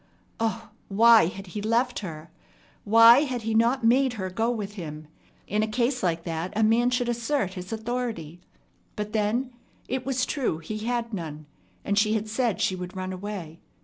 Oh! why had he left her? Why had he not made her go with him? In a case like that a man should assert his authority. But, then, it was true he had none, and she had said she would run away.